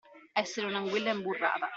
Essere un'anguilla imburrata.